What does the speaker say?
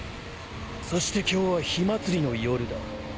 そして今日は火祭りの夜だ。